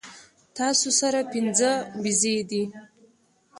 تاسو سره پنځۀ بيزې دي